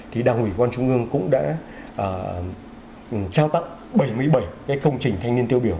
thì đảng ủy quan trung ương cũng đã trao tặng bảy mươi bảy cái công trình thanh niên tiêu biểu